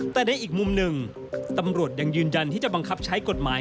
แต่ในอีกมุมหนึ่งตำรวจยังยืนยันที่จะบังคับใช้กฎหมาย